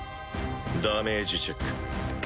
ダメージチェック。